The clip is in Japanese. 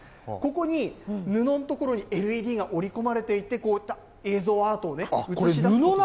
ここに、布のところにＬＥＤが織り込まれていて、こういった映像アートを映し出すことが。